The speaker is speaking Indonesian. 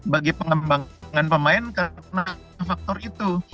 bagi pengembangan pemain karena faktor itu